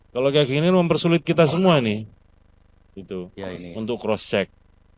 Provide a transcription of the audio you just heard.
kalau kayak gini mempersulit kita semua nih untuk cross check